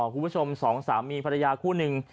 ผู้ชม๒สามีภรรยาคู่หนึ่ง